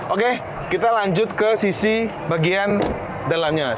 oke kita lanjut ke sisi bagian dalamnya